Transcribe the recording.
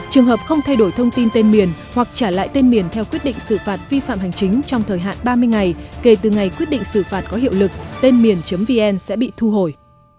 trường hợp không thay đổi thông tin tên miền hoặc trả lại tên miền theo quyết định xử phạt vi phạm hành chính trong thời hạn ba mươi ngày kể từ ngày quyết định xử phạt có hiệu lực tên miền vn sẽ bị thu hồi